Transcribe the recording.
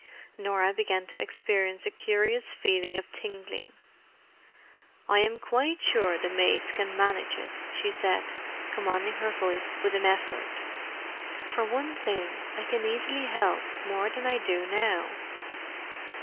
Norah began to experience a curious feeling of tingling. "I am quite sure the maids can manage it," she said, commanding her voice with an effort. "For one thing, I can easily help more than I do now."